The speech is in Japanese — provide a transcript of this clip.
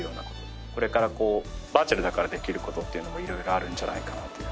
これからバーチャルだからできる事っていうのも色々あるんじゃないかなと。